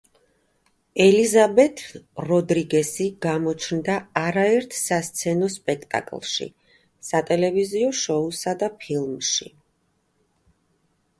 ელიზაბეთ როდრიგესი გამოჩნდა არაერთ სასცენო სპექტაკლში, სატელევიზიო შოუსა და ფილმში.